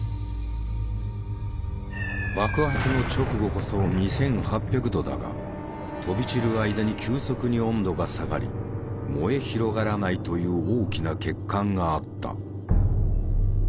爆発の直後こそ２，８００度だが飛び散る間に急速に温度が下がり燃え広がらないという大きな欠陥があった。